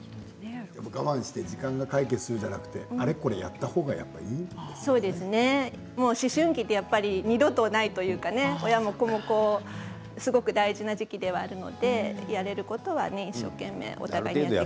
我慢して時間が解決するではなくてあれこれやったほうが思春期は二度とないというか親も子もすごく大事な時期ではあるので、やれることは一生懸命お互いにやって。